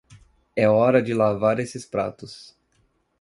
É hora de lavar esses pratos.